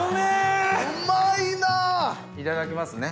いただきます！